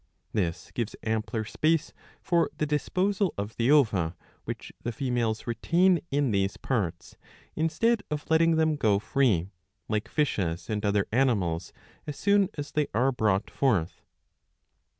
This gives ampler space for the disposal of the ova, which the females retain in these parts instead of letting them go free, like fishes and other animals, as soon as they are brought forth.